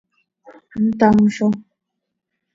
ntamzo?